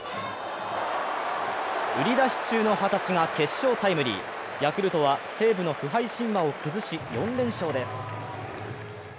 売り出し中の二十歳が決勝タイムリー、ヤクルトは西武の不敗神話を崩し、４連勝です。